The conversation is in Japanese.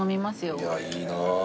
いやいいなあ。